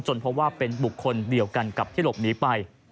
เพราะว่าเป็นบุคคลเดียวกันกับที่หลบหนีไป